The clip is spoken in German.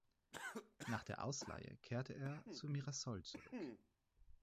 Nach der Ausleihe kehrte er zu Mirassol zurück.